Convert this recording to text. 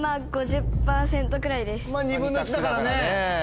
まぁ２分の１だからね。